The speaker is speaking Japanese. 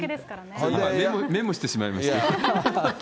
メモしてしまいました。